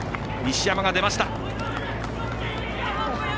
西山が出ました。